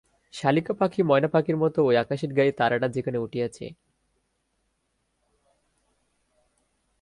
শালিখা পাখি ময়না পাখির মতো ওই আকাশের গায়ে তারাটা যেখানে উঠিয়াছে?